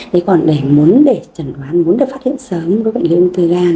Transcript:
thế còn để muốn để trảnh đoán muốn được phát hiện sớm các bệnh lý uống thư gan